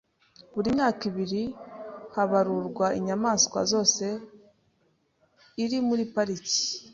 Buri myaka ibiri habarurwa inyamaswa zose iri muri pariki,